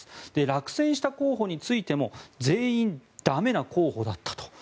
落選した候補についても全員、駄目な候補だったと。